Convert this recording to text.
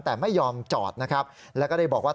แต่ไม่ยอมจอดนะครับแล้วก็ได้บอกว่า